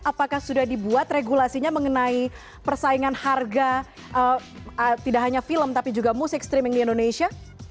apakah sudah dibuat regulasinya mengenai persaingan harga tidak hanya film tapi juga musik streaming di indonesia